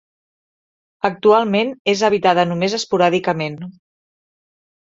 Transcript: Actualment és habitada només esporàdicament.